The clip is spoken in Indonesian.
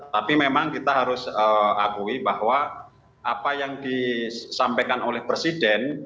tapi memang kita harus akui bahwa apa yang disampaikan oleh presiden